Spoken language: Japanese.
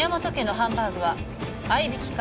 ハンバーグは合いびきですか？